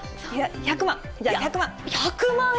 １００万、１００万円？